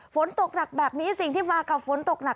ฝนตกหนักแบบนี้สิ่งที่มากับฝนตกหนัก